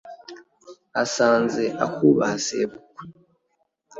asanze, akubaha sebukwe